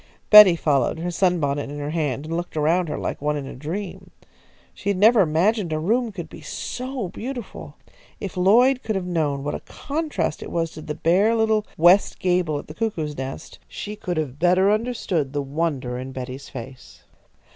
Betty followed, her sunbonnet in her hand, and looked around her like one in a dream. She had never imagined a room could be so beautiful. If Lloyd could have known what a contrast it was to the bare little west gable at the cuckoo's nest, she could have better understood the wonder in Betty's face.